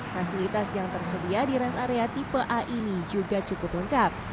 fasilitas yang tersedia di rest area tipe a ini juga cukup lengkap